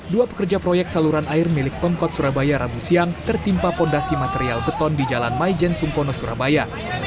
dua pekerja proyek saluran air milik pemkot surabaya rabu siang tertimpa fondasi material beton di jalan maijen sumpono surabaya